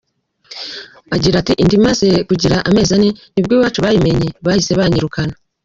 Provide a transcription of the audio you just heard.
Agira ati “Inda imaze kugira amezi ane ni bwo iwacu bayibonye, bahise banyirukana.